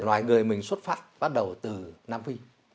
loài người mình xuất phát bắt đầu từ nam phi